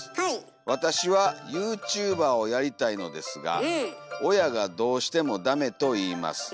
わたしはユーチューバーをやりたいのですがおやがどうしてもだめと言います。